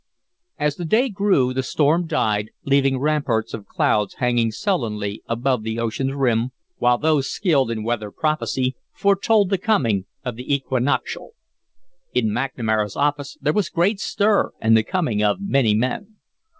As the day grew, the storm died, leaving ramparts of clouds hanging sullenly above the ocean's rim, while those skilled in weather prophecy foretold the coming of the equinoctial. In McNamara's office there was great stir and the coming of many men.